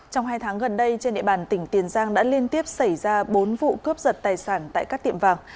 trong hai tháng gần đây trên địa bàn tỉnh tiền giang đã liên tiếp xảy ra bốn vụ cướp giật tài sản tại các tiệm vàng